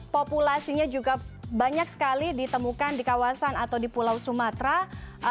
populasinya juga banyak sekali ditemukan di kawasan atau di pulau sumatera